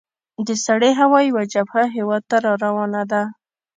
د سړې هوا یوه جبهه هیواد ته را روانه ده.